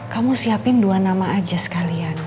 kamu siapin dua nama aja sekalian